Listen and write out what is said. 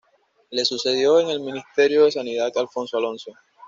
Le sucedió en el Ministerio de Sanidad Alfonso Alonso.